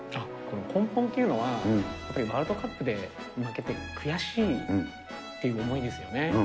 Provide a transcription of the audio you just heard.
根本っていうのは、やっぱりワールドカップで負けて悔しいっていう思いですよね。